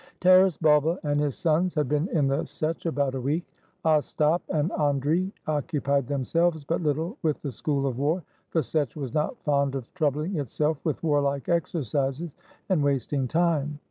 Taras Bulba and his sons had been in the Setch about a week. Ostap and Andrii occupied themselves but little with the school of war. The Setch was not fond of troubling itself with warlike exercises, and wasting time.